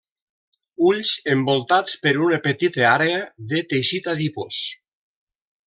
Ulls envoltats per una petita àrea de teixit adipós.